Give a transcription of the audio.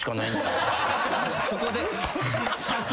そこで？